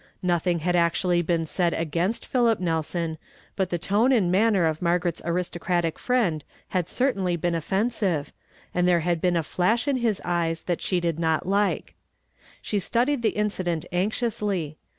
Nothing had bocu actually said against Philip "THiSY OPENED THEIR MOUTH. »» 67 Nelson ; but the tone and manner of Margaret's aristocratic friend had certainly been offensive, and there had been a Hash in his eyes that she did not like. She studied the incident anxiously.